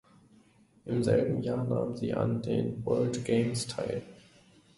Im selben Jahr nahm sie an den World Games teil.